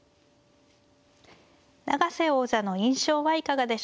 永瀬王座の印象はいかがでしょうか。